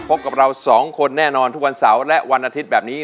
พบกับเราสองคนแน่นอนทุกวันเสาร์และวันอาทิตย์แบบนี้